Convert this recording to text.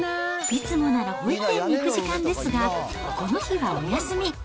いつもなら保育園に行く時間ですが、この日はお休み。